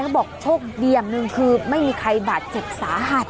เขาบอกโชคเดี่ยมนึงคือไม่มีใครบาดเจ็บสาหัส